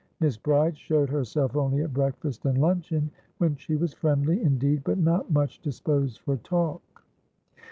Miss Bride showed herself only at breakfast and luncheon, when she was friendly, indeed, but not much disposed for talk.